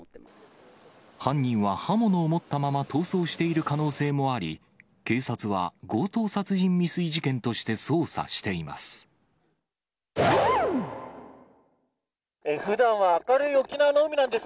犯人は刃物を持ったまま、逃走している可能性もあり、警察は、強盗殺人未遂事件として捜査しています。